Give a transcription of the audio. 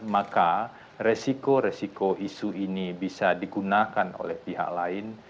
maka resiko resiko isu ini bisa digunakan oleh pihak lain